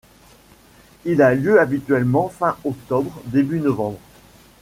Il a lieu habituellement fin octobre-début novembre.